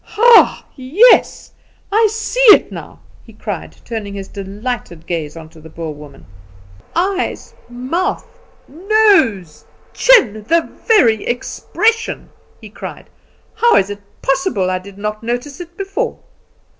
"Ah, yes; I see it now," he cried, turning his delighted gaze on the Boer woman; "eyes, mouth, nose, chin, the very expression!" he cried. "How is it possible I did not notice it before?"